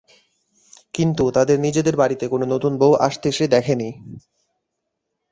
কিন্তু তাদের নিজেদের বাড়িতে কোনো নতুন বউ আসতে সে দেখে নি।